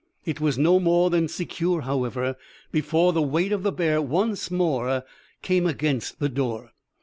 It was no more than secure, however, before the weight of the bear once more came against the door.